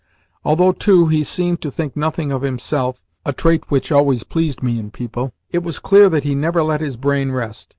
Although, too, he seemed to think nothing of himself (a trail which always pleased me in people), it was clear that he never let his brain rest.